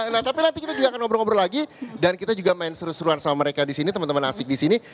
nah tapi nanti kita juga akan ngobrol ngobrol lagi dan kita juga main seru seruan sama mereka di sini teman teman asik di sini